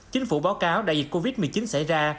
chính phủ báo cáo đại dịch covid một mươi chín xảy ra